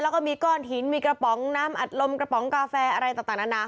แล้วก็มีก้อนหินมีกระป๋องน้ำอัดลมกระป๋องกาแฟอะไรต่างนานา